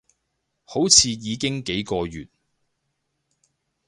好似已經幾個月